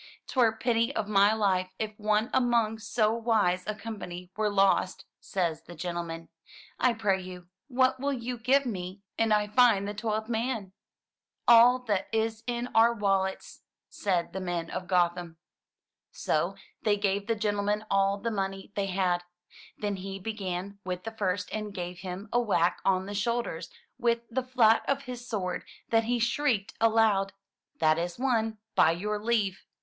" Twere pity of my life if one among so wise a company were lost," says the gentleman. "I pray you, what will you give me an I find the twelfth man?" "All that is in our wallets," said the men of Gotham. 82 THROUGH FAIRY HALLS So they gave the gentleman all the money they had; then he began with the first and gave him a whack on the shoulders with the flat of his sword, that he shrieked aloud. "That is one, by your leave!"